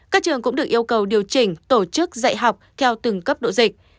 các trường cũng được yêu cầu điều chỉnh tổ chức dạy học theo từng cấp độ dịch